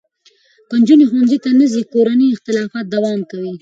که نجونې ښوونځي ته نه ځي، کورني اختلافات دوام کوي.